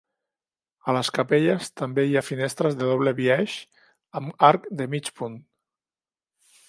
A les capelles també hi ha finestres de doble biaix amb arc de mig punt.